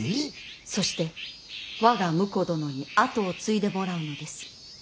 そして我が婿殿に跡を継いでもらうのです。